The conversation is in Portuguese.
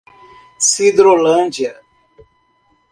Sidrolândia